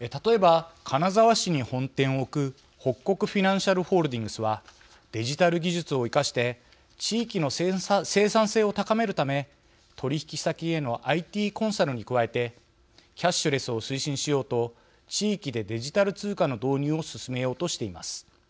例えば金沢市に本店を置く北國フィナンシャルホールディングスはデジタル技術を生かして地域の生産性を高めるため取引先へのＩＴコンサルに加えてキャッシュレスを推進しようと地域でデジタル通貨の導入を進めようとしています。